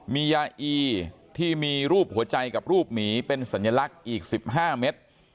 มียาอีที่มีรูปหัวใจกับรูปหมีเป็นสัญลักษณ์อีก๑๕เม็ด